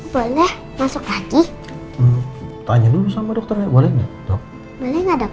boleh masuk lagi tanya dulu sama dokternya boleh nggak dokter